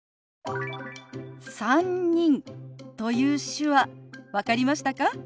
「３人」という手話分かりましたか？